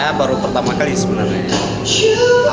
itu saya baru pertama kali sebenarnya